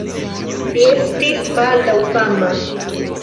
Li estis baldaŭ fama.